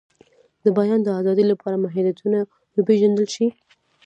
د بیان د آزادۍ لپاره محدودیتونه وپیژندل شي.